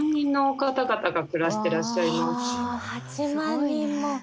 ８万人も！